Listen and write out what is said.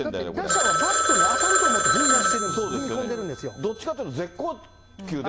打者はバットに当たると思って、踏みだしてる、踏み込んでるどっちかというと、絶好球で。